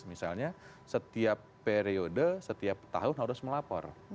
misalnya setiap periode setiap tahun harus melapor